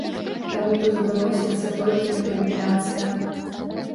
Таму тут выносіцца толькі рэкамендацыя.